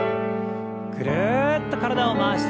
ぐるっと体を回して。